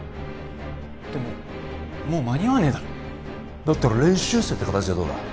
でももう間に合わねえだろだったら練習生って形ではどうだ？